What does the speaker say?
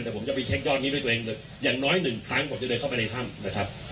แต่ผมจะไปเช็คยอดนี้ด้วยตัวเองเลยอย่างน้อยหนึ่งครั้งผมจะเดินเข้าไปในถ้ำนะครับ